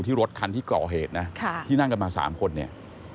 รถคันที่ก่อเหตุนะที่นั่งกันมา๓คนเนี่ย